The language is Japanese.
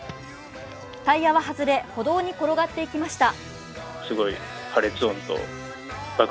タイヤは外れ、歩道に転がっていきました。